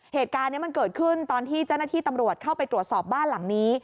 เหตุการณ์นี้มันเกิดขึ้นตอนที่เจ้าหน้าที่ตำรวจเข้าไปตรวจสอบบ้านหลังนี้